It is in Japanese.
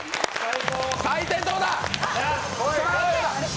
採点どうだ？